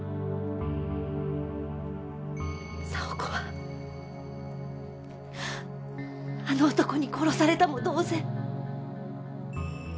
紗保子はあの男に殺されたも同然。